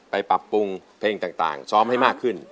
ปรับปรุงเพลงต่างซ้อมให้มากขึ้น